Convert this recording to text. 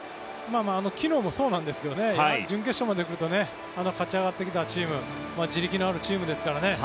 昨日もそうなんですけど準決勝まで来ると勝ち上がってきたチーム地力のあるチームですからね